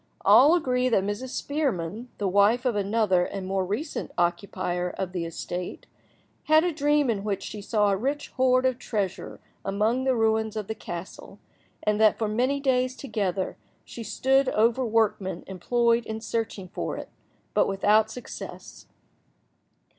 All agree that Mrs. Spearman, the wife of another and more recent occupier of the estate, had a dream in which she saw a rich hoard of treasure among the ruins of the castle, and that for many days together she stood over workmen employed in searching for it, but without success.